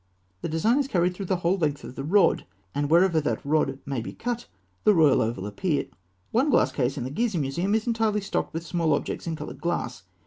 The design is carried through the whole length of the rod, and wherever that rod may be cut, the royal oval reappears. One glass case in the Gizeh Museum is entirely stocked with small objects in coloured glass.